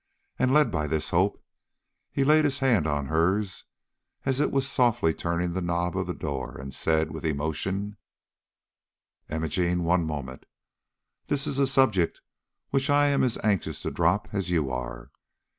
And led by this hope he laid his hand on hers as it was softly turning the knob of the door, and said, with emotion: "Imogene, one moment. This is a subject which I am as anxious to drop as you are.